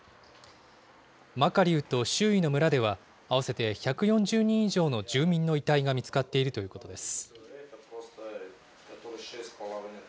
マカリウと周囲の村では、合わせて１４０人以上の住民の遺体が見つかっているということです。